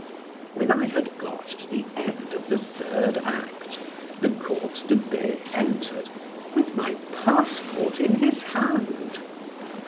When I had got to the end of the third act the Count de B— entered, with my passport in his hand.